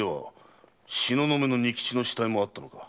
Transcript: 東雲の仁吉の死体もあったのか。